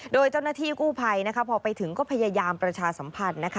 โดยเจ้าหน้าที่กู้ภัยพอไปถึงก็พยายามประชาสัมพันธ์นะคะ